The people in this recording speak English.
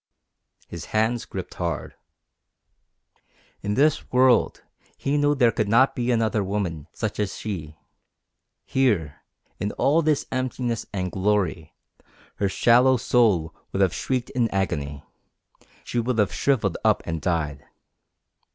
His hands gripped hard. In this world he knew there could not be another woman such as she. Here, in all this emptiness and glory, her shallow soul would have shrieked in agony; she would have shrivelled up and died.